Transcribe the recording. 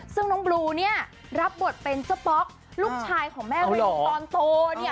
ซึ่งน้องบลูเนี่ยรับบทเป็นเจ้าป๊อกลูกชายของแม่วินตอนโตเนี่ย